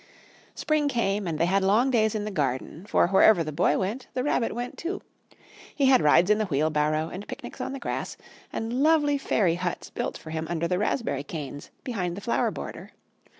Spring came, and they had long days in the garden, for wherever the Boy went the Rabbit went too. He had rides in the wheelbarrow, and picnics on the grass, and lovely fairy huts built for him under the raspberry canes behind the flower border.